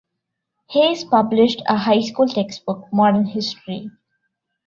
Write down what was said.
Hayes published a high school textbook, Modern History.